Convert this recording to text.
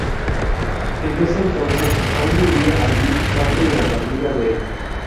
En ese entonces, aún vivía allí parte de la familia Bell.